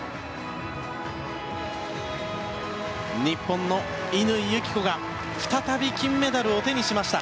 日本の乾友紀子が再び金メダルを手にしました。